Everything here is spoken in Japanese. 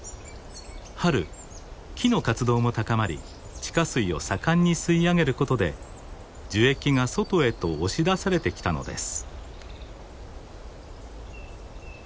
春木の活動も高まり地下水を盛んに吸い上げることで樹液が外へと押し出されてきたのです。